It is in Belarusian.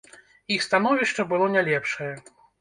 Іх становішча было не лепшае.